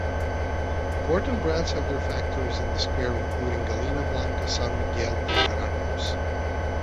Important brands had their factories in the square including Gallina Blanca, San Miguel, Trinaranjus...